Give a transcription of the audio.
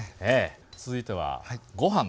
続いてはご飯と。